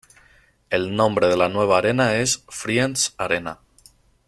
El nombre de la nueva arena es Friends Arena.